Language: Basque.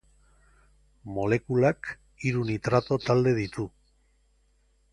Molekulak hiru nitrato talde ditu.